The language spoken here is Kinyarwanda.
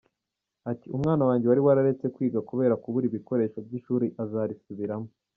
Ati "Umwana wanjye wari wararetse kwiga kubera kubura ibikoresho by’ishuri azarisubiramo.